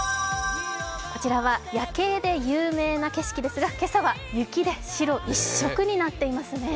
こちらは夜景で有名な景色ですが、今朝は雪で白一色になっていますね。